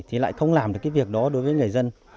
thì lại không làm được cái việc đó đối với người dân